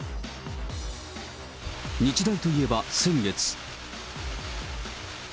日大といえば先月。